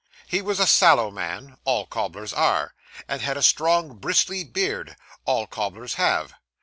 He was a sallow man all cobblers are; and had a strong bristly beard all cobblers have.